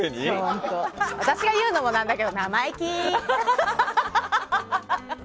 本当、私が言うのも何だけど生意気！